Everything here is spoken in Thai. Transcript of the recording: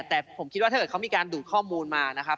แต่ผมคิดว่าถ้าเกิดเขามีการดูดข้อมูลมานะครับ